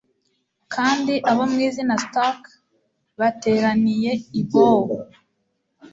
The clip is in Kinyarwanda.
Kandi abo mwizina Stark bateraniye i Bow